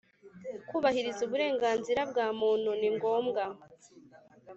Kubahiriza Uburenganzira bwa Muntu ni ngombwa